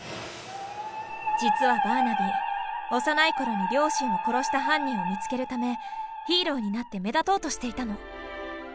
実はバーナビー幼い頃に両親を殺した犯人を見つけるためヒーローになって目立とうとしていたの。